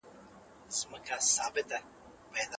دوی د تولیداتو د کچې د لوړولو لپاره پلان لري.